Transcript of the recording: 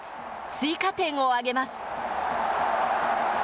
追加点を挙げます。